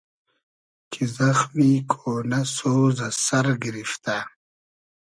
کی زئخمی کۉنۂ سۉز از سئر گیریفتۂ